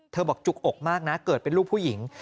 บอกจุกอกมากนะเกิดเป็นลูกผู้หญิง